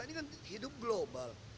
ini kan hidup global